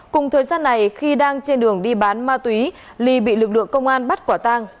cùng thời gian này khi đang trên đường đi bán ma túy ly bị lực lượng công an bắt quả tang